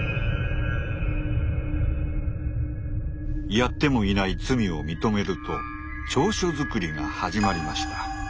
やってもいない罪を認めると調書作りが始まりました。